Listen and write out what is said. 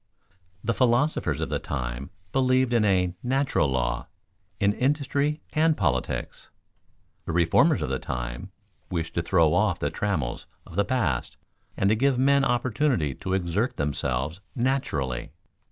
The philosophers of the time believed in a "natural law" in industry and politics. The reformers of the time wished to throw off the trammels of the past and to give men opportunity to exert themselves "naturally."